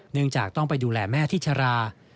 เนื่องจากต้องไปดูแลแม่ที่ชรา